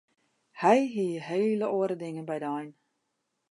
Hy hie hele oare dingen by de ein.